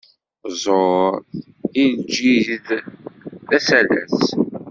Ẓẓur i lǧid, d asalas.